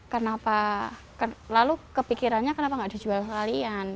kenapa lalu kepikirannya kenapa nggak dijual sekalian